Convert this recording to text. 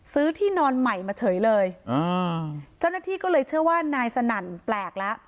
ที่นอนใหม่มาเฉยเลยอ่าเจ้าหน้าที่ก็เลยเชื่อว่านายสนั่นแปลกแล้ว